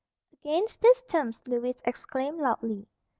Against these terms Lewis exclaimed loudly.